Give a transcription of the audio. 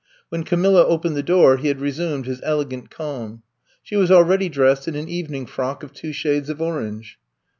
When Camilla opened the door he had resumed his elegant calm. She was already dressed in an evening frock of two shades of orange.